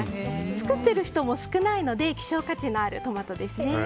作っている人も少ないので希少価値のあるトマトですね。